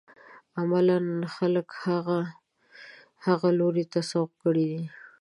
عملاً خلک هغه لوري ته سوق کړي دي.